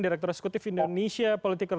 direktur eksekutif indonesia political